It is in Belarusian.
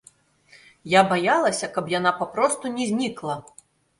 Я баялася, каб яна папросту не знікла.